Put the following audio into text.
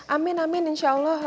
amin amin insya allah